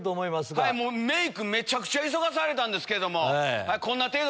めちゃくちゃ急がされたんですけども。